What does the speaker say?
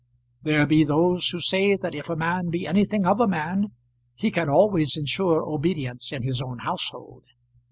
There be those who say that if a man be anything of a man, he can always insure obedience in his own household.